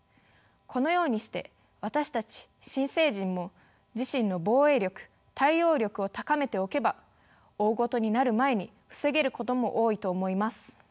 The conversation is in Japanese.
このようにして私たち新成人も自身の防衛力対応力を高めておけば大ごとになる前に防げることも多いと思います。